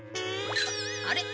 あれ？